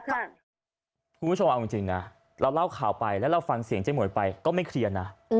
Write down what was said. คุณผู้ชมเอาจริงนะเราเล่าข่าวไปแล้วเราฟังเสียงเจ๊หมวยไปก็ไม่เคลียร์นะ